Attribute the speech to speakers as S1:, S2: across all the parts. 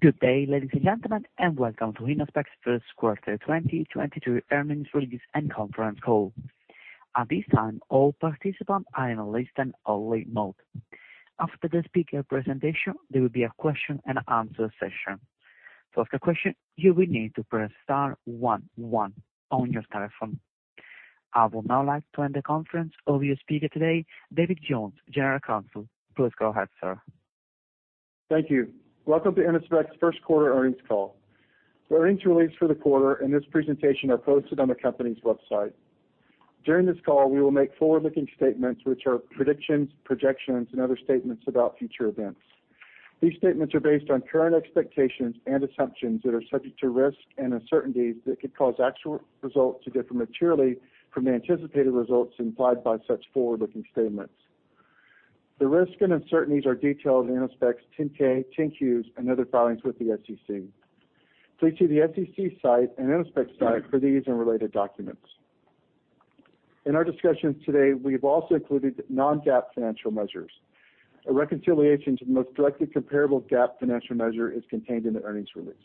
S1: Good day, ladies and gentlemen, welcome to Innospec's first quarter 2023 earnings release and conference call. At this time, all participants are in a listen-only mode. After the speaker presentation, there will be a question-and-answer session. To ask a question, you will need to press star one one on your telephone. I would now like to hand the conference over to your speaker today, David Jones, General Counsel. Please go ahead, sir.
S2: Thank you. Welcome to Innospec's first quarter earnings call. The earnings release for the quarter and this presentation are posted on the company's website. During this call, we will make forward-looking statements which are predictions, projections, and other statements about future events. These statements are based on current expectations and assumptions that are subject to risks and uncertainties that could cause actual results to differ materially from the anticipated results implied by such forward-looking statements. The risks and uncertainties are detailed in Innospec's 10-K, 10-Qs, and other filings with the SEC. Please see the SEC site and Innospec's site for these and related documents. In our discussions today, we have also included non-GAAP financial measures. A reconciliation to the most directly comparable GAAP financial measure is contained in the earnings release.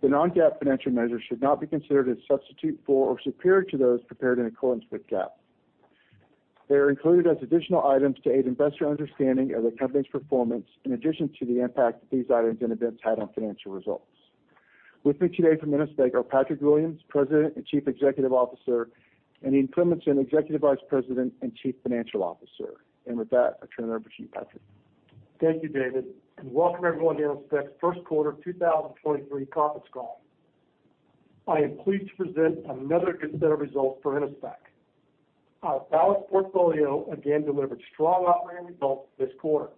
S2: The non-GAAP financial measures should not be considered as substitute for or superior to those prepared in accordance with GAAP. They are included as additional items to aid investor understanding of the company's performance in addition to the impact that these items and events had on financial results. With me today from Innospec are Patrick Williams, President and Chief Executive Officer, and Ian Cleminson, Executive Vice President and Chief Financial Officer. With that, I turn it over to you, Patrick.
S3: Thank you, David. Welcome everyone to Innospec's first quarter 2023 conference call. I am pleased to present another good set of results for Innospec. Our balanced portfolio again delivered strong operating results this quarter.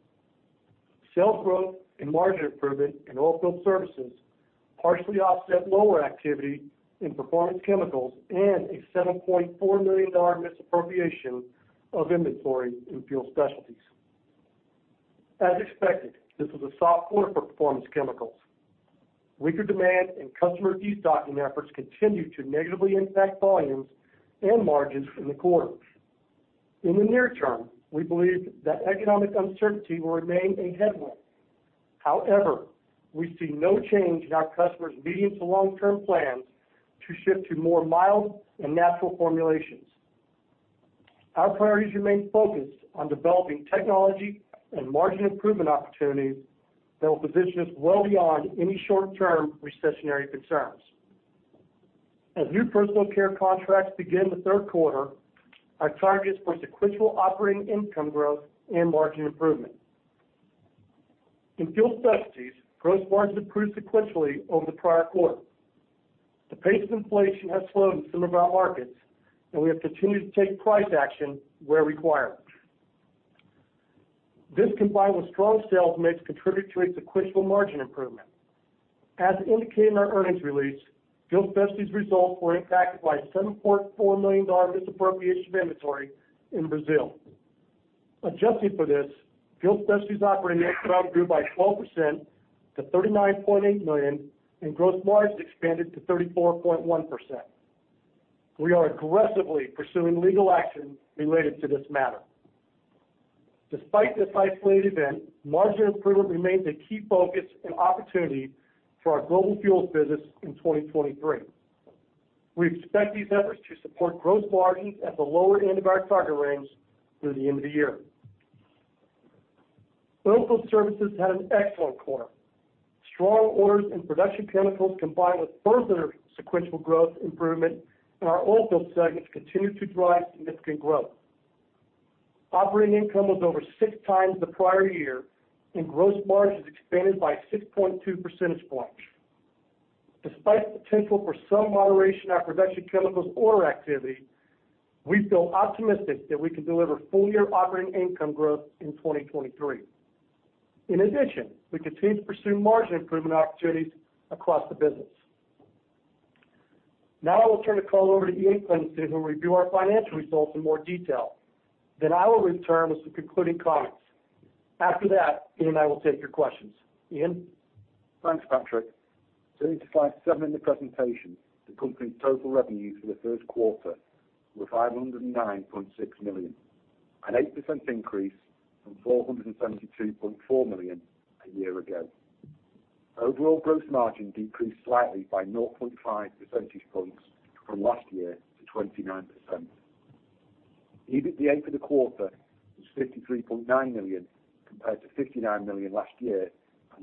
S3: Sales growth and margin improvement in Oilfield Services partially offset lower activity in Performance Chemicals and a $7.4 million misappropriation of inventory in Fuel Specialties. As expected, this was a soft quarter for Performance Chemicals. Weaker demand and customer destocking efforts continued to negatively impact volumes and margins in the quarter. In the near term, we believe that economic uncertainty will remain a headwind. We see no change in our customers' medium to long-term plans to shift to more mild and natural formulations. Our priorities remain focused on developing technology and margin improvement opportunities that will position us well beyond any short-term recessionary concerns. As new personal care contracts begin the third quarter, our target is for sequential operating income growth and margin improvement. In Fuel Specialties, gross margins improved sequentially over the prior quarter. The pace of inflation has slowed in some of our markets, and we have continued to take price action where required. This, combined with strong sales mix, contributed to a sequential margin improvement. As indicated in our earnings release, Fuel Specialties results were impacted by $7.4 million misappropriation of inventory in Brazil. Adjusted for this, Fuel Specialties operating net income grew by 12% to $39.8 million, and gross margins expanded to 34.1%. We are aggressively pursuing legal action related to this matter. Despite this isolated event, margin improvement remains a key focus and opportunity for our global fuels business in 2023. We expect these efforts to support gross margins at the lower end of our target range through the end of the year. Oilfield Services had an excellent quarter. Strong orders in Production Chemicals, combined with further sequential growth improvement in our Oilfield segment, continued to drive significant growth. Operating income was over 6x the prior year, and gross margins expanded by 6.2 percentage points. Despite the potential for some moderation in our Production Chemicals order activity, we feel optimistic that we can deliver full-year operating income growth in 2023. We continue to pursue margin improvement opportunities across the business. I will turn the call over to Ian Cleminson, who will review our financial results in more detail. I will return with some concluding comments. Ian and I will take your questions. Ian?
S1: Thanks, Patrick. Turning to slide 7 in the presentation, the company's total revenues for the first quarter were $509.6 million, an 8% increase from $472.4 million a year ago. Overall gross margin decreased slightly by 0.5 percentage points from last year to 29%. EBITDA for the quarter was $53.9 million compared to $59 million last year.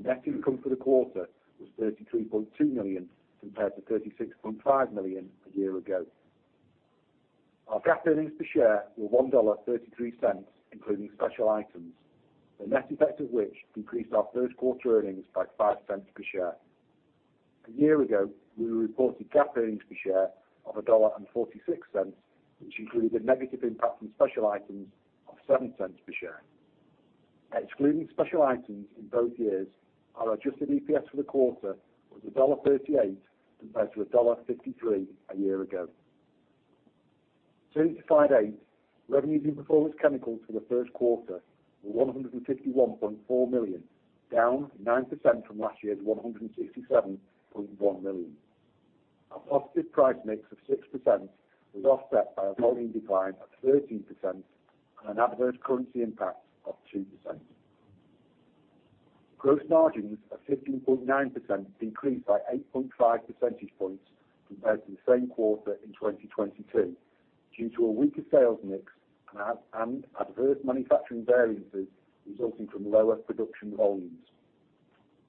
S1: Net income for the quarter was $33.2 million compared to $36.5 million a year ago. Our GAAP earnings per share were $1.33, including special items, the net effect of which increased our first quarter earnings by $0.05 per share. A year ago, we reported GAAP earnings per share of $1.46, which included negative impact from special items of $0.07 per share. Excluding special items in both years, our adjusted EPS for the quarter was $1.38 compared to $1.53 a year ago. Turning to slide 8, revenues in Performance Chemicals for the first quarter were $151.4 million, down 9% from last year's $167.1 million. A positive price mix of 6% was offset by a volume decline of 13% and an adverse currency impact of 2%. Gross margins of 15.9% decreased by 8.5 percentage points compared to the same quarter in 2022 due to a weaker sales mix and adverse manufacturing variances resulting from lower production volumes.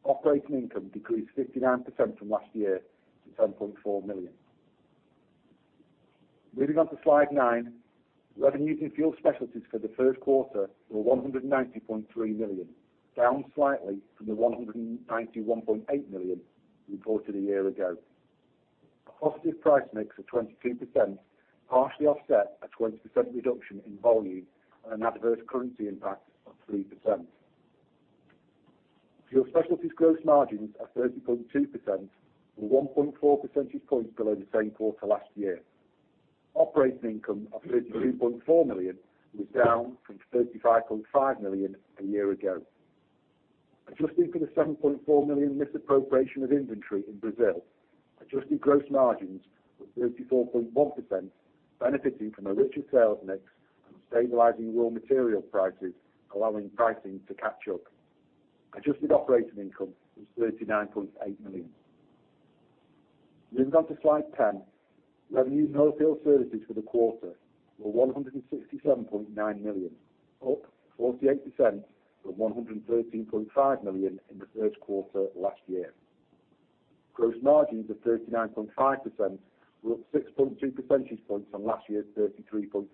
S1: Operating income decreased 59% from last year to $7.4 million. Moving on to slide 9. Revenues in Fuel Specialties for the first quarter were $190.3 million, down slightly from the $191.8 million reported a year ago. A positive price mix of 22% partially offset a 20% reduction in volume and an adverse currency impact of 3%. Fuel Specialties gross margins of 30.2% were 1.4 percentage points below the same quarter last year. Operating income of $32.4 million was down from $35.5 million a year ago. Adjusting for the $7.4 million misappropriation of inventory in Brazil, adjusted gross margins were 34.1%, benefiting from a richer sales mix and stabilizing raw material prices, allowing pricing to catch up. Adjusted operating income was $39.8 million. Moving on to slide 10. Revenues in Oilfield Services for the quarter were $167.9 million, up 48% from $113.5 million in the first quarter last year. Gross margins of 39.5% were up 6.2 percentage points from last year's 33.3%.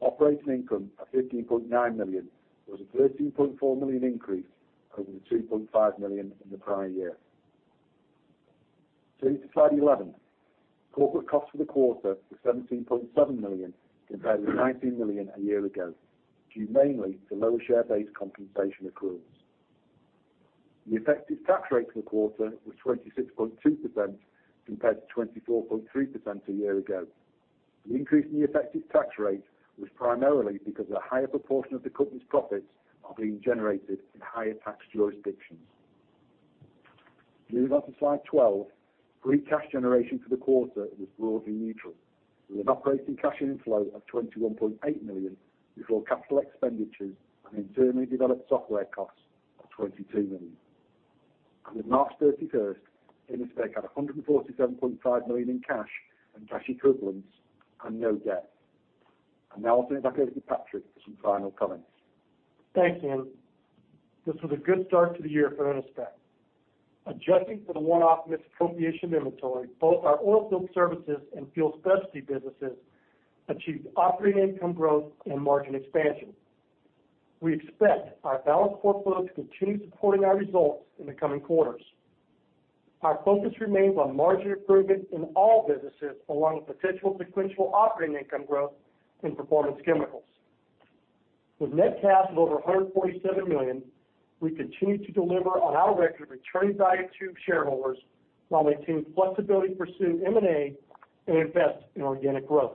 S1: Operating income of $15.9 million was a $13.4 million increase over the $2.5 million in the prior year. Turning to slide 11. Corporate costs for the quarter were $17.7 million compared to $19 million a year ago, due mainly to lower share-based compensation accruals. The effective tax rate for the quarter was 26.2% compared to 24.3% a year ago. The increase in the effective tax rate was primarily because a higher proportion of the company's profits are being generated in higher tax jurisdictions. Moving on to slide 12. Free cash generation for the quarter was broadly neutral, with operating cash inflow of $21.8 million before capital expenditures and internally developed software costs of $22 million. As of March 31st, Innospec had $147.5 million in cash and cash equivalents and no debt. I now will turn it back over to Patrick for some final comments.
S3: Thanks, Ian. This was a good start to the year for Innospec. Adjusting for the one-off misappropriation of inventory, both our Oilfield Services and Fuel Specialties businesses achieved operating income growth and margin expansion. We expect our balanced portfolio to continue supporting our results in the coming quarters. Our focus remains on margin improvement in all businesses, along with potential sequential operating income growth in Performance Chemicals. With net cash of over $147 million, we continue to deliver on our record of returning value to shareholders while maintaining flexibility to pursue M&A and invest in organic growth.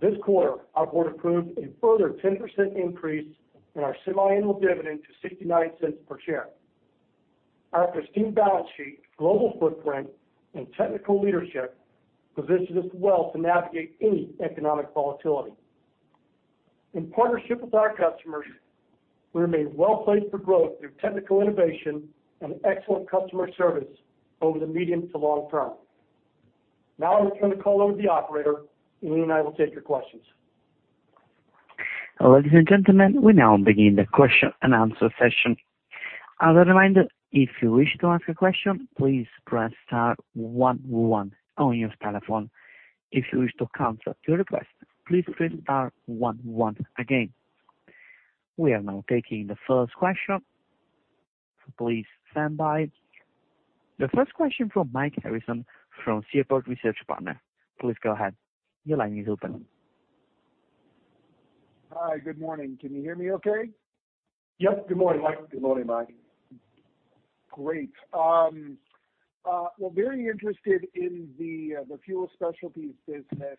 S3: This quarter, our board approved a further 10% increase in our semiannual dividend to $0.69 per share. Our pristine balance sheet, global footprint, and technical leadership positions us well to navigate any economic volatility. In partnership with our customers, we remain well placed for growth through technical innovation and excellent customer service over the medium to long term. I will turn the call over to the operator, and Ian and I will take your questions.
S4: Ladies and gentlemen, we now begin the question and answer session. As a reminder, if you wish to ask a question, please press star 11 on your telephone. If you wish to cancel your request, please press star one one again. We are now taking the first question. Please stand by. The first question from Mike Harrison from Seaport Research Partners. Please go ahead. Your line is open.
S5: Hi. Good morning. Can you hear me okay?
S3: Yes. Good morning, Mike.
S1: Good morning, Mike.
S5: Great. We're very interested in the Fuel Specialties business,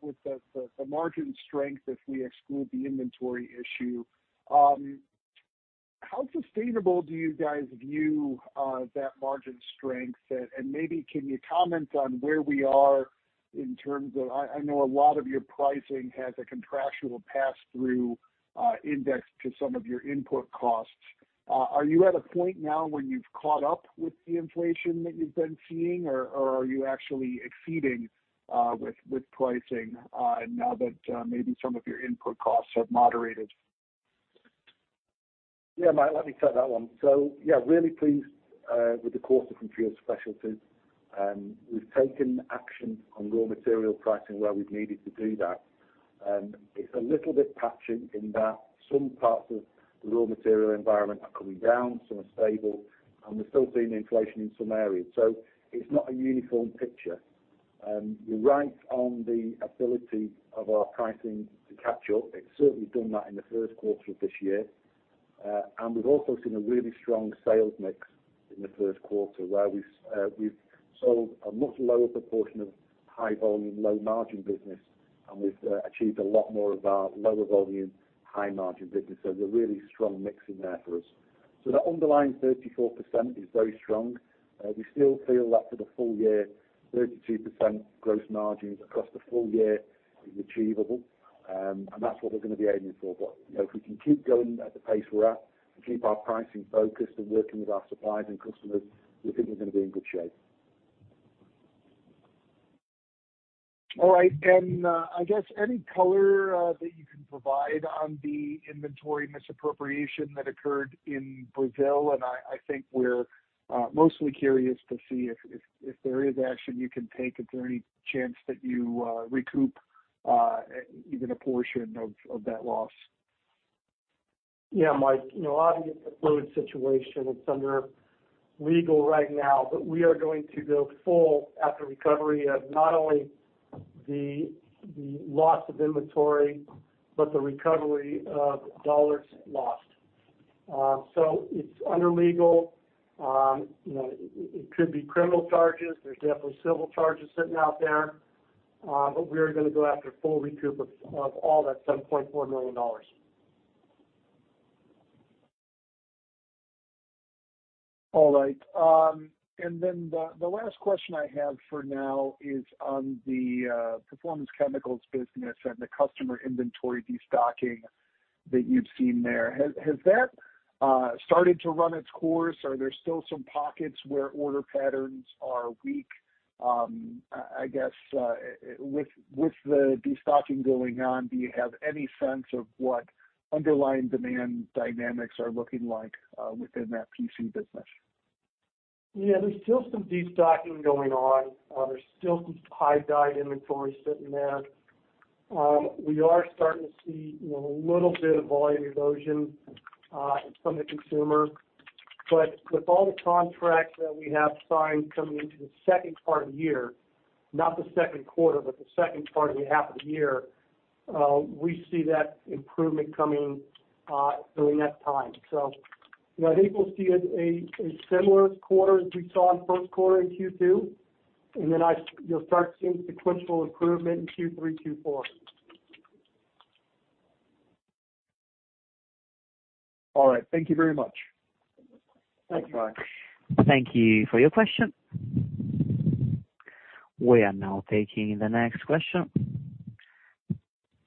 S5: with the margin strength if we exclude the inventory issue. How sustainable do you guys view that margin strength? Maybe can you comment on where we are in terms of... I know a lot of your pricing has a contractual pass-through, index to some of your input costs. Are you at a point now when you've caught up with the inflation that you've been seeing, or are you actually exceeding with pricing, now that maybe some of your input costs have moderated?
S1: Yeah, Mike, let me take that one. Yeah, really pleased with the quarter from Fuel Specialties. We've taken action on raw material pricing where we've needed to do that. It's a little bit patchy in that some parts of the raw material environment are coming down, some are stable, and we're still seeing inflation in some areas. It's not a uniform picture. You're right on the ability of our pricing to catch up. It's certainly done that in the first quarter of this year. We've also seen a really strong sales mix in the first quarter where we've sold a much lower proportion of high volume, low margin business. We've achieved a lot more of our lower volume, high margin business. It's a really strong mixing there for us. That underlying 34% is very strong. We still feel that for the full year, 32% gross margins across the full year is achievable. That's what we're gonna be aiming for. You know, if we can keep going at the pace we're at and keep our pricing focused and working with our suppliers and customers, we think we're gonna be in good shape.
S5: All right. I guess any color that you can provide on the inventory misappropriation that occurred in Brazil, and I think we're mostly curious to see if there is action you can take, is there any chance that you recoup even a portion of that loss?
S3: Yeah, Mike, you know, obviously it's a fluid situation. It's under legal right now. We are going to go full after recovery of not only the loss of inventory, but the recovery of dollars lost. It's under legal. You know, it could be criminal charges. There's definitely civil charges sitting out there. We are gonna go after full recoup of all that $7.4 million.
S5: All right. The last question I have for now is on the Performance Chemicals business and the customer inventory destocking that you've seen there. Has that started to run its course? Are there still some pockets where order patterns are weak? I guess, with the destocking going on, do you have any sense of what underlying demand dynamics are looking like within that PC business?
S3: Yeah. There's still some destocking going on. There's still some high dive inventory sitting there. We are starting to see, you know, a little bit of volume erosion, from the consumer. With all the contracts that we have signed coming into the second part of the year, not the second quarter, but the second part of the half of the year, we see that improvement coming, during that time. you know, I think we'll see a similar quarter as we saw in first quarter in Q2. then you'll start seeing sequential improvement in Q3, Q4.
S5: All right. Thank you very much.
S3: Thanks, Mike.
S4: Thank you for your question. We are now taking the next question.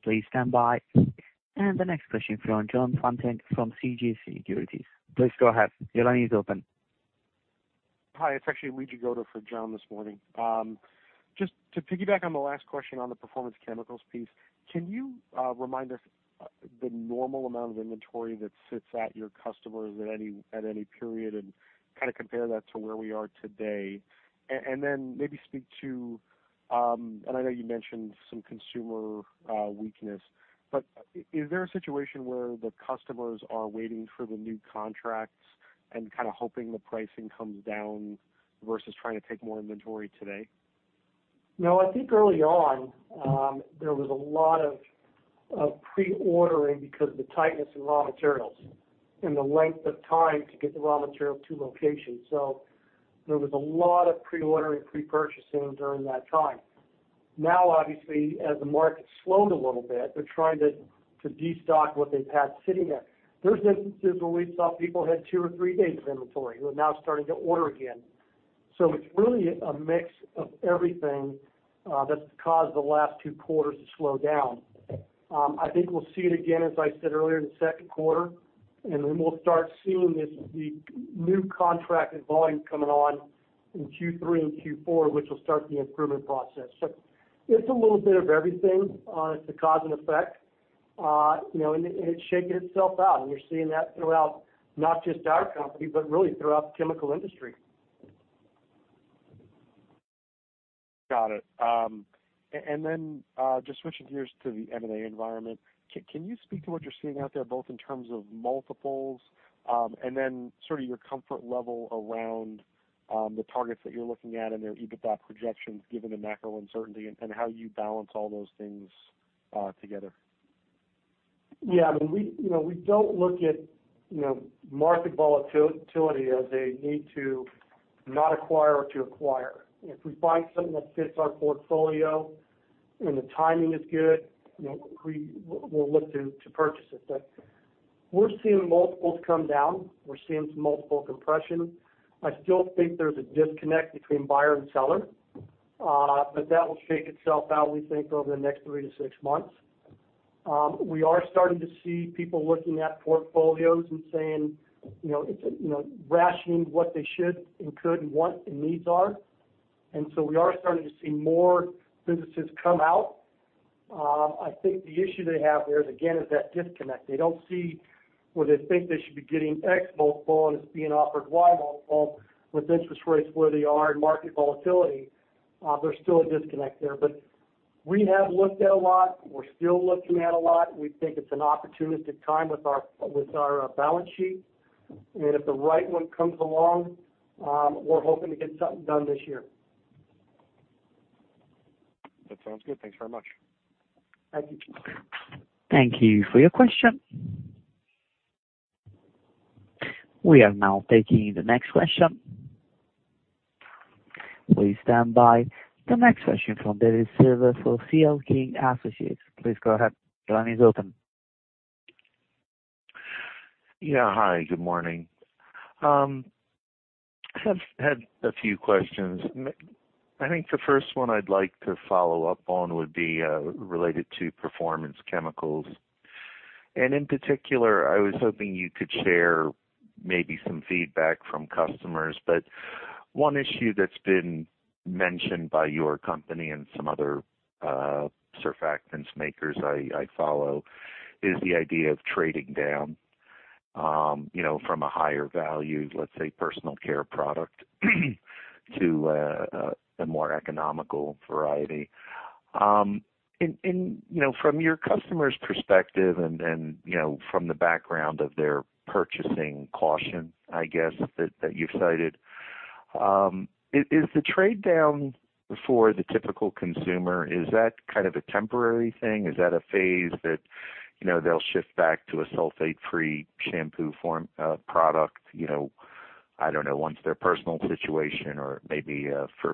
S4: Please stand by. The next question is from Lee Jagoda from CJS Securities. Please go ahead. Your line is open.
S6: Hi. It's actually Lee Jagoda for John this morning. Just to piggyback on the last question on the Performance Chemicals piece, can you remind us the normal amount of inventory that sits at your customers at any, at any period and kinda compare that to where we are today? Then maybe speak to, and I know you mentioned some consumer weakness, but is there a situation where the customers are waiting for the new contracts and kinda hoping the pricing comes down versus trying to take more inventory today?
S3: No. I think early on, there was a lot of pre-ordering because of the tightness in raw materials and the length of time to get the raw material to locations. There was a lot of pre-ordering, pre-purchasing during that time. Obviously, as the market's slowed a little bit, they're trying to destock what they've had sitting there. There's instances where we saw people had two or three days of inventory, who are now starting to order again. It's really a mix of everything that's caused the last two quarters to slow down. I think we'll see it again, as I said earlier, in the second quarter, and then we'll start seeing the new contracted volume coming on in Q3 and Q4, which will start the improvement process. It's a little bit of everything. It's a cause and effect. You know, it's shaking itself out, and you're seeing that throughout not just our company, but really throughout the chemical industry.
S6: Got it. Just switching gears to the M&A environment, can you speak to what you're seeing out there, both in terms of multiples, and then sort of your comfort level around the targets that you're looking at and their EBITDA projections, given the macro uncertainty, and how you balance all those things together?
S3: Yeah. I mean, we, you know, we don't look at, you know, market volatility as a need to not acquire or to acquire. If we find something that fits our portfolio and the timing is good, you know, we'll look to purchase it. We're seeing multiples come down. We're seeing some multiple compression. I still think there's a disconnect between buyer and seller, but that will shake itself out, we think, over the next three to six months. We are starting to see people looking at portfolios and saying, you know, it's a, you know, rationing what they should and could and want and needs are. So we are starting to see more businesses come out. I think the issue they have there is, again, is that disconnect. They don't see where they think they should be getting X multiple, and it's being offered Y multiple. With interest rates where they are and market volatility, there's still a disconnect there. We have looked at a lot. We're still looking at a lot. We think it's an opportunistic time with our balance sheet. If the right one comes along, we're hoping to get something done this year.
S6: That sounds good. Thanks very much.
S3: Thank you.
S4: Thank you for your question. We are now taking the next question. Please stand by. The next question from David Silver for C.L. King & Associates. Please go ahead. The line is open.
S7: Yeah, hi, good morning. Have had a few questions. I think the first one I'd like to follow up on would be related to Performance Chemicals. In particular, I was hoping you could share maybe some feedback from customers. One issue that's been mentioned by your company and some other, surfactants makers I follow is the idea of trading down, you know, from a higher value, let's say, personal care product to a more economical variety. You know, from your customers' perspective and, you know, from the background of their purchasing caution, I guess, that you've cited, is the trade down for the typical consumer, is that kind of a temporary thing? Is that a phase that, you know, they'll shift back to a sulfate-free shampoo form, product, you know, I don't know, once their personal situation or maybe,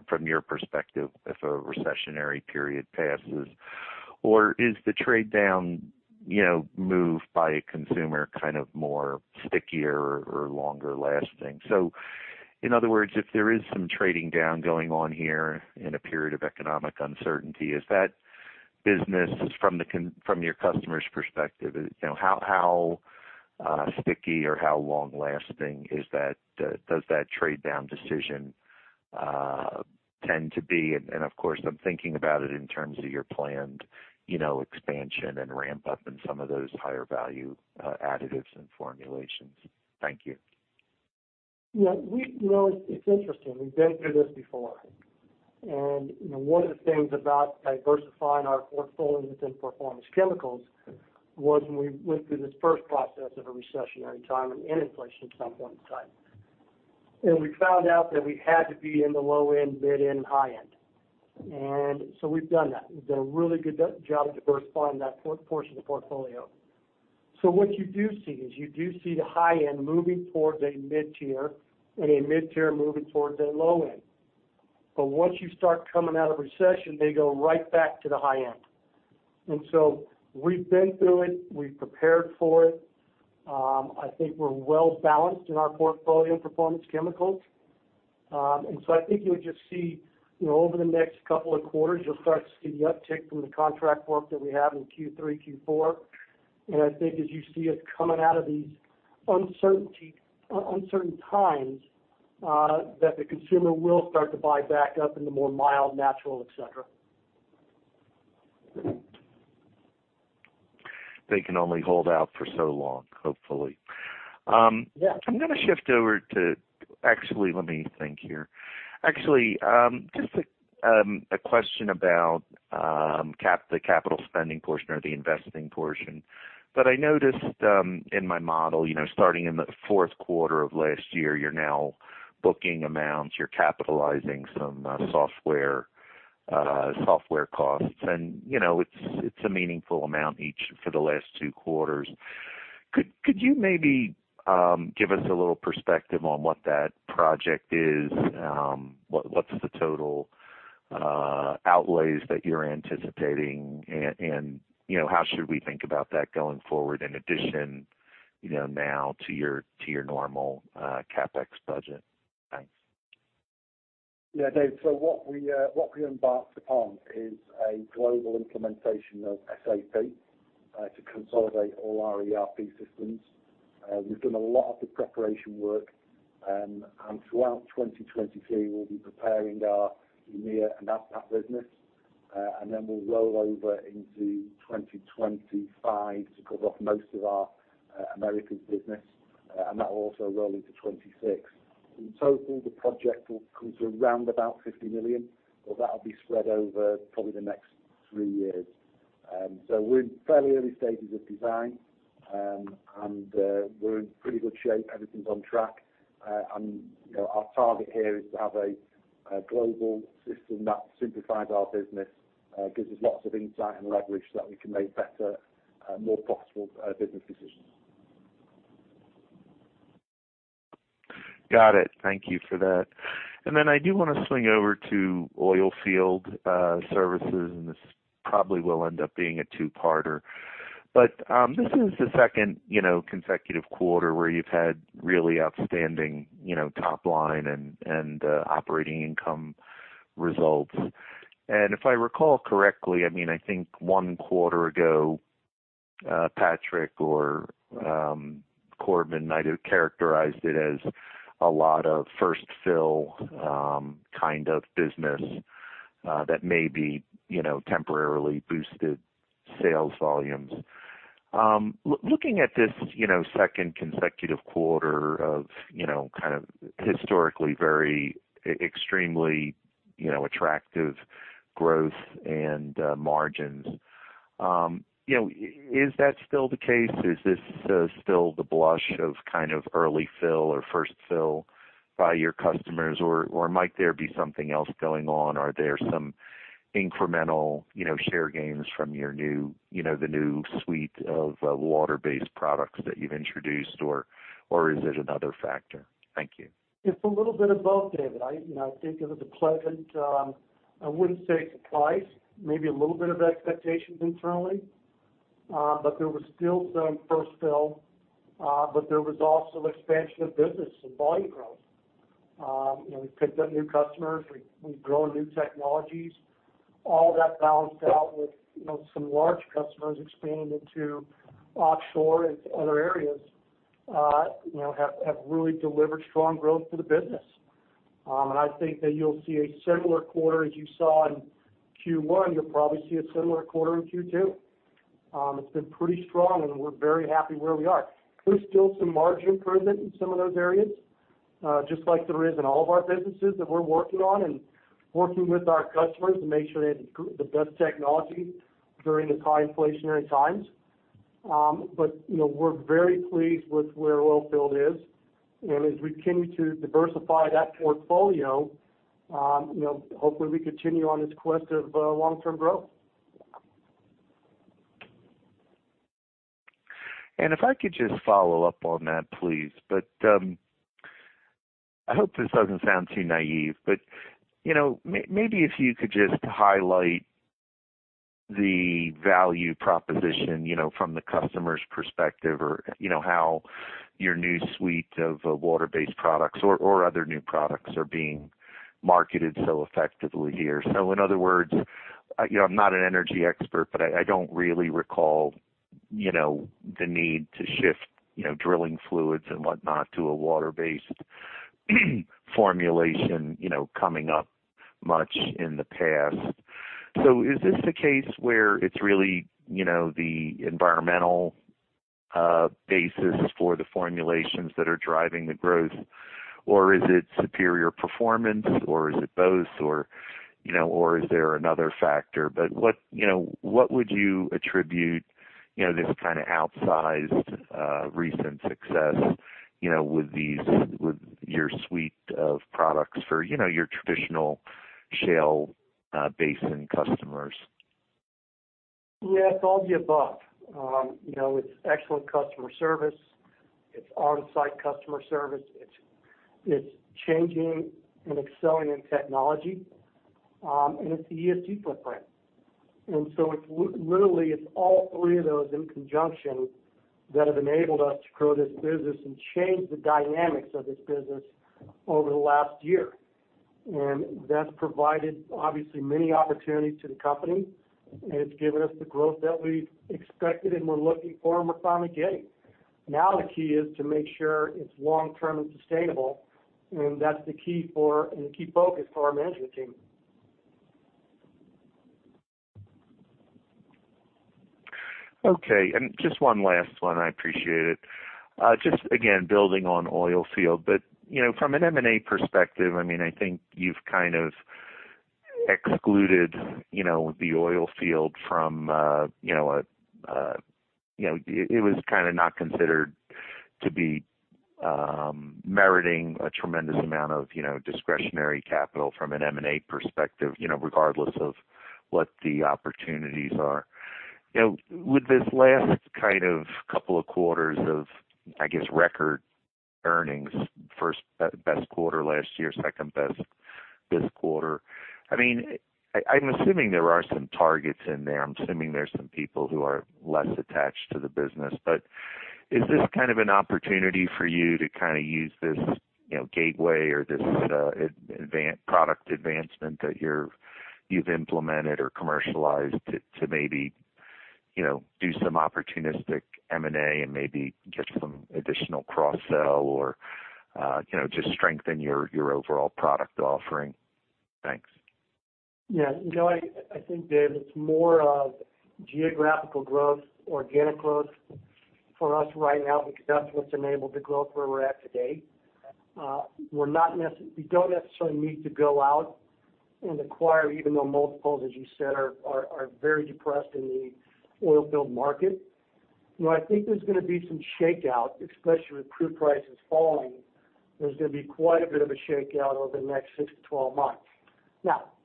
S7: from your perspective, if a recessionary period passes? Or is the trade down, you know, move by a consumer kind of more stickier or longer lasting? In other words, if there is some trading down going on here in a period of economic uncertainty, is that business from your customer's perspective, you know, how sticky or how long lasting is that, does that trade down decision tend to be? Of course, I'm thinking about it in terms of your planned, you know, expansion and ramp up in some of those higher value, additives and formulations. Thank you.
S3: Yeah, you know, it's interesting. We've been through this before. You know, one of the things about diversifying our portfolios in Performance Chemicals was when we went through this first process of a recessionary time and in inflation at some point in time. We found out that we had to be in the low end, mid end, high end. We've done that. We've done a really good job diversifying that portion of the portfolio. What you do see is you do see the high end moving towards a mid-tier and a mid-tier moving towards a low end. Once you start coming out of recession, they go right back to the high end. We've been through it, we've prepared for it, I think we're well balanced in our portfolio in Performance Chemicals. I think you'll just see, you know, over the next couple of quarters, you'll start to see the uptick from the contract work that we have in Q3, Q4. I think as you see us coming out of these uncertainty, uncertain times, that the consumer will start to buy back up in the more mild, natural, et cetera.
S7: They can only hold out for so long, hopefully.
S3: Yeah.
S7: Actually, let me think here. Actually, just a question about the capital spending portion or the investing portion. I noticed, in my model, you know, starting in the fourth quarter of last year, you're now booking amounts, you're capitalizing some software costs. You know, it's a meaningful amount each for the last two quarters. Could you maybe give us a little perspective on what that project is? What's the total outlays that you're anticipating? You know, how should we think about that going forward in addition, you know, now to your normal CapEx budget? Thanks.
S1: Yeah, Dave. What we embarked upon is a global implementation of SAP to consolidate all our ERP systems. We've done a lot of the preparation work, and throughout 2023, we'll be preparing our EMEA and APAC business, and then we'll roll over into 2025 to cover off most of our Americas business, and that will also roll into 2026. In total, the project will come to around about $50 million, but that'll be spread over probably the next three years. We're in fairly early stages of design, and we're in pretty good shape. Everything's on track. You know, our target here is to have a global system that simplifies our business, gives us lots of insight and leverage so that we can make better, more profitable, business decisions.
S7: Got it. Thank you for that. I do wanna swing over to Oilfield Services, and this probably will end up being a two-parter. This is the second, you know, consecutive quarter where you've had really outstanding, you know, top line and operating income results. If I recall correctly, I mean, I think one quarter ago, Patrick or Corbin might have characterized it as a lot of first fill kind of business that may be, you know, temporarily boosted sales volumes. Looking at this, you know, second consecutive quarter of, you know, kind of historically very extremely, you know, attractive growth and margins, you know, is that still the case? Is this still the blush of kind of early fill or first fill by your customers, or might there be something else going on? Are there some incremental, you know, share gains from your new, you know, the new suite of water-based products that you've introduced, or is it another factor? Thank you.
S3: It's a little bit of both, David. I, you know, I think it was a pleasant, I wouldn't say surprise, maybe a little bit of expectations internally. There was still some first fill, but there was also expansion of business and volume growth. You know, we picked up new customers. We've grown new technologies. All that balanced out with, you know, some large customers expanding into offshore into other areas, you know, have really delivered strong growth to the business. I think that you'll see a similar quarter as you saw in Q1. You'll probably see a similar quarter in Q2. It's been pretty strong. We're very happy where we are. There's still some margin improvement in some of those areas, just like there is in all of our businesses that we're working on and working with our customers to make sure they have the best technology during these high inflationary times. You know, we're very pleased with where Oilfield is. As we continue to diversify that portfolio, you know, hopefully we continue on this quest of long-term growth.
S7: If I could just follow up on that, please. I hope this doesn't sound too naive, but, you know, maybe if you could just highlight the value proposition, you know, from the customer's perspective or, you know, how your new suite of water-based products or other new products are being marketed so effectively here. In other words, you know, I'm not an energy expert, but I don't really recall, you know, the need to shift, you know, drilling fluids and whatnot to a water-based formulation, you know, coming up much in the past. Is this the case where it's really, you know, the environmental basis for the formulations that are driving the growth, or is it superior performance, or is it both or, you know, or is there another factor? What, you know, what would you attribute, you know, this kind of outsized, recent success, you know, with these, with your suite of products for, you know, your traditional shale, basin customers?
S3: Yes, all the above. You know, it's excellent customer service. It's on-site customer service. It's changing and excelling in technology, and it's the ESG footprint. So literally, it's all three of those in conjunction that have enabled us to grow this business and change the dynamics of this business over the last year. That's provided, obviously, many opportunities to the company, and it's given us the growth that we've expected and we're looking for and we're finding. The key is to make sure it's long term and sustainable, and that's the key for and the key focus for our management team.
S7: Okay, just one last one. I appreciate it. Just again, building on Oilfield. You know, from an M&A perspective, I mean, I think you've kind of excluded, you know, the Oilfield from, you know, it was kind of not considered to be meriting a tremendous amount of, you know, discretionary capital from an M&A perspective, you know, regardless of what the opportunities are. You know, with this last kind of couple of quarters of, I guess, record earnings, best quarter last year, second best this quarter, I mean, I'm assuming there are some targets in there. I'm assuming there's some people who are less attached to the business. Is this kind of an opportunity for you to kind of use this, you know, gateway or this product advancement that you're, you've implemented or commercialized to maybe, you know, do some opportunistic M&A and maybe get some additional cross-sell or, you know, just strengthen your overall product offering? Thanks.
S3: Yeah. You know, I think, Dave, it's more of geographical growth, organic growth for us right now because that's what's enabled the growth where we're at today. We don't necessarily need to go out and acquire, even though multiples, as you said, are very depressed in the oilfield market. You know, I think there's gonna be some shakeout, especially with crude prices falling. There's gonna be quite a bit of a shakeout over the next six to 12 months.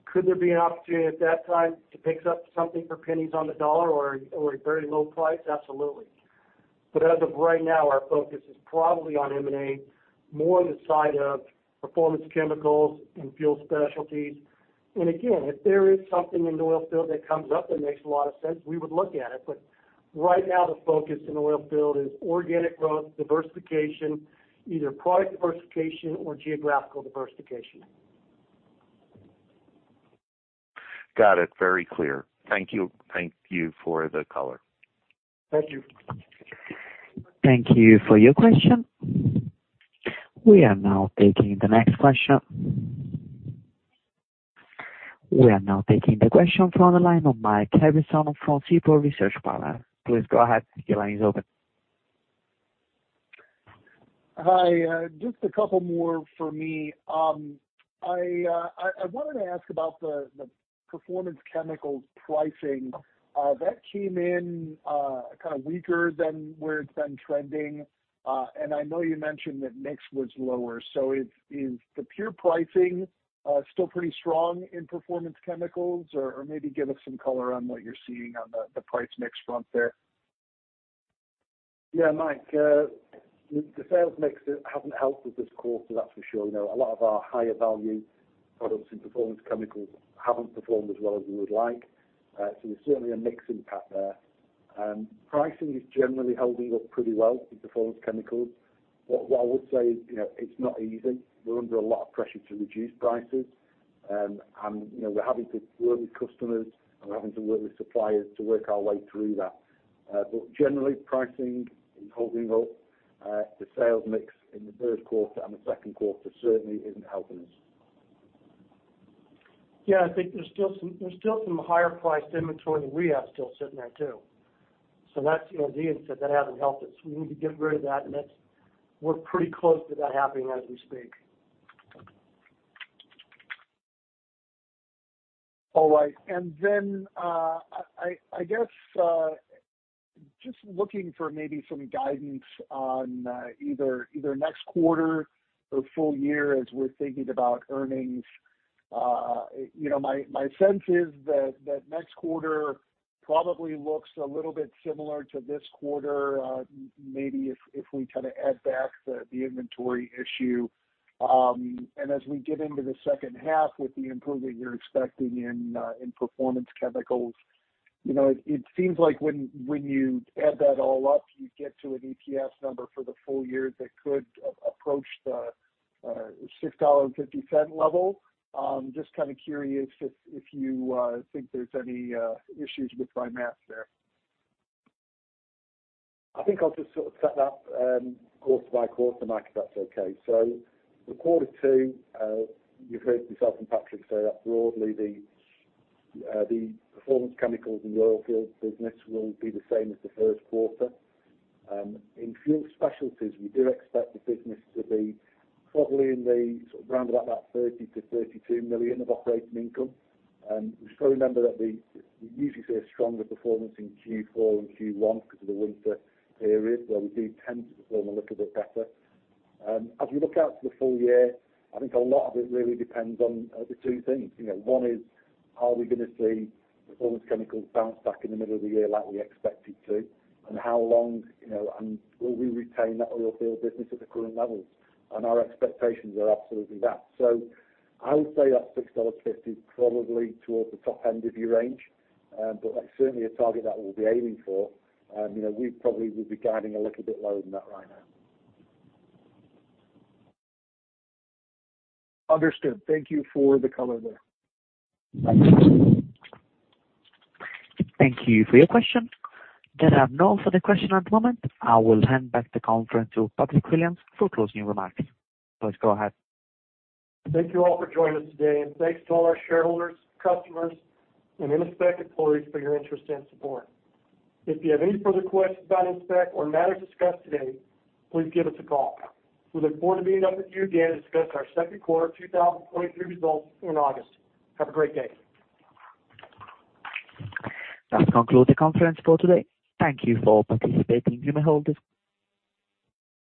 S3: Could there be an opportunity at that time to pick up something for pennies on the dollar or a very low price? Absolutely. As of right now, our focus is probably on M&A more on the side of Performance Chemicals and Fuel Specialties. Again, if there is something in Oilfield that comes up that makes a lot of sense, we would look at it. Right now the focus in Oilfield is organic growth, diversification, either product diversification or geographical diversification.
S7: Got it. Very clear. Thank you. Thank you for the color.
S3: Thank you.
S4: Thank you for your question. We are now taking the next question. We are now taking the question from the line of Mike Harrison from Seaport Research Partners. Please go ahead. Your line is open.
S5: Hi. Just a couple more for me. I wanted to ask about the Performance Chemicals pricing. That came in, kind of weaker than where it's been trending. I know you mentioned that mix was lower. Is the pure pricing, still pretty strong in Performance Chemicals? Maybe give us some color on what you're seeing on the price mix front there.
S1: Mike, the sales mix hasn't helped with this quarter, that's for sure. You know, a lot of our higher value products in Performance Chemicals haven't performed as well as we would like. There's certainly a mix impact there. Pricing is generally holding up pretty well in Performance Chemicals. What I would say is, you know, it's not easy. We're under a lot of pressure to reduce prices. You know, we're having to work with customers, and we're having to work with suppliers to work our way through that. Generally, pricing is holding up, the sales mix in the third quarter and the second quarter certainly isn't helping us.
S3: Yeah. I think there's still some higher priced inventory that we have still sitting there too. That's, you know, as Ian said, that hasn't helped us. We need to get rid of that. We're pretty close to that happening as we speak.
S5: All right. Then, I guess, just looking for maybe some guidance on either next quarter or full year as we're thinking about earnings. You know, my sense is that next quarter probably looks a little bit similar to this quarter, maybe if we kind of add back the inventory issue. As we get into the second half with the improvement you're expecting in Performance Chemicals, you know, it seems like when you add that all up, you get to an EPS number for the full year that could approach the $6.50 level. Just kind of curious if you think there's any issues with my math there.
S1: I think I'll just sort of set that, quarter by quarter, Mike, if that's okay. For quarter two, you've heard myself and Patrick say that broadly, the Performance Chemicals and the Oilfield business will be the same as the first quarter. In Fuel Specialties, we do expect the business to be probably in the sort of around about $30 million-$32 million of operating income. Just remember that we usually see a stronger performance in Q4 and Q1 because of the winter period, where we do tend to perform a little bit better. As we look out to the full year, I think a lot of it really depends on the two things. You know, one is, are we gonna see Performance Chemicals bounce back in the middle of the year like we expect it to? How long, you know, and will we retain that oilfield business at the current levels? Our expectations are absolutely that. I would say that $6.50 is probably towards the top end of your range, but that's certainly a target that we'll be aiming for. You know, we probably would be guiding a little bit lower than that right now.
S5: Understood. Thank you for the color there.
S1: Thanks.
S4: Thank you for your question. There are no further question at the moment. I will hand back the conference to Patrick Williams for closing remarks. Please go ahead.
S3: Thank you all for joining us today, and thanks to all our shareholders, customers, and Innospec employees for your interest and support. If you have any further questions about Innospec or matters discussed today, please give us a call. We look forward to meeting up with you again to discuss our second quarter 2023 results in August. Have a great day.
S4: That concludes the conference for today. Thank you for participating. You may hang up.